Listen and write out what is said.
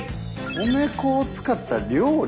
米粉を使った料理？